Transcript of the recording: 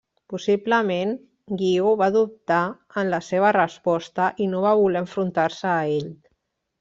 Possiblement Guiu va dubtar en la seva resposta i no va voler enfrontar-se a ell.